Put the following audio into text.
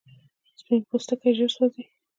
سپین پوستکی ژر سوځي